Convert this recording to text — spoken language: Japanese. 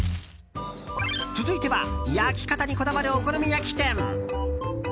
続いては、焼き方にこだわるお好み焼き店。